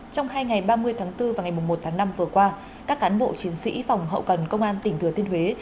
trong hai ngày ba mươi tháng bốn và ngày một tháng năm vừa qua các cán bộ chiến sĩ phòng hậu cần công an tỉnh thừa thiên huế